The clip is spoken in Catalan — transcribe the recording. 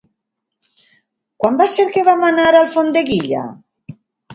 Quan va ser que vam anar a Alfondeguilla?